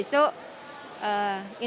insya allah masih bisa digunakan